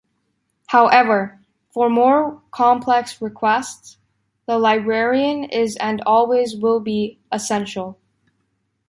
However, for more complex requests, the librarian is and will always be essential.